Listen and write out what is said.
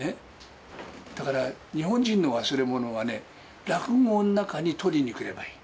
だから日本人の忘れ物はね、落語の中に取りにくればいい。